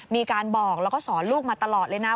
มีการบอกแล้วก็สอนลูกมาตลอดเลยนะ